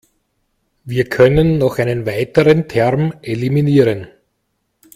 Wir können noch einen weiteren Term eliminieren.